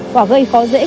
và gây khó dễ qua trạng